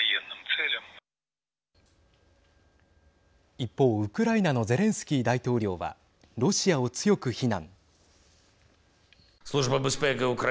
一方、ウクライナのゼレンスキー大統領はロシアを強く非難。